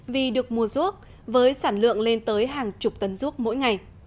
vì được mua ruốc với sản lượng lên tới hàng chục tấn ruốc mỗi ngày